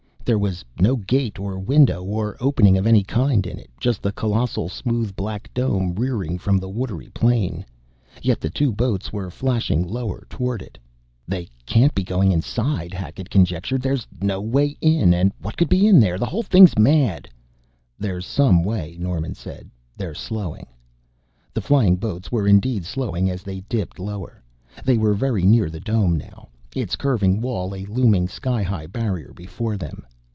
There was no gate or window or opening of any kind in it. Just the colossal, smooth black dome rearing from the watery plain. Yet the two boats were flashing lower toward it. "They can't be going inside!" Hackett conjectured. "There's no way in and what could be in there? The whole thing's mad " "There's some way," Norman said. "They're slowing " The flying boats were indeed slowing as they dipped lower. They were very near the dome now, its curving wall a looming, sky high barrier before them.